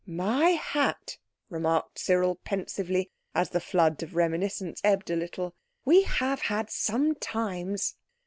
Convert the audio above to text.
"My hat!" remarked Cyril pensively, as the flood of reminiscence ebbed a little; "we have had some times."